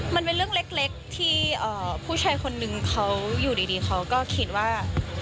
มันเป็นเรื่องเล็กที่ผู้ชายคนนึงเขาอยู่ดีเขาก็คิดว่า